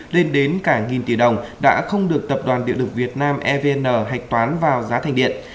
lên đến cả nghìn tỷ đồng đã không được tập đoàn điện lực việt nam evn hạch toán vào giá thành điện